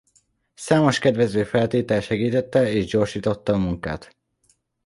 Számos kedvező feltétel segítette és gyorsította a munkát.